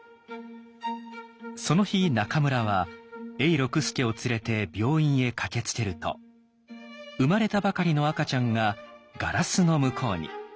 その日中村は永六輔を連れて病院へ駆けつけると生まれたばかりの赤ちゃんがガラスの向こうに。